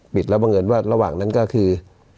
แล้วบังเอิญว่าระหว่างนั้นก็คือ